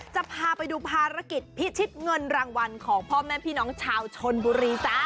จะพาไปดูภารกิจพิชิตเงินรางวัลของพ่อแม่พี่น้องชาวชนบุรีจ้า